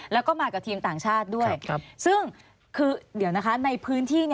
แล้วก็มากับทีมต่างชาติด้วยซึ่งคือเดี๋ยวนะคะในพื้นที่